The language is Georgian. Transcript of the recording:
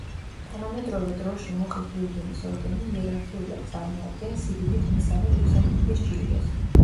თანამედროვე დროში მუხის გვირგვინის ორდენი იერარქიულად წარმოადგენს სიდიდით მესამე ლუქსემბურგის ჯილდოს.